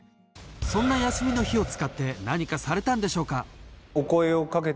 そんな休みの日を使って何かされたんでしょうか？